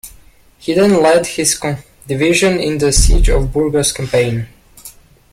He then led his division in the Siege of Burgos campaign.